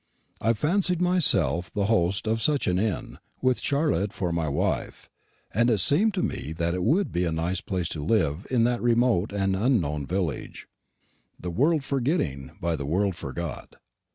I fancied myself the host of such an inn, with Charlotte for my wife; and it seemed to me that it would be nice to live in that remote and unknown village, "the world forgetting, by the world forgot."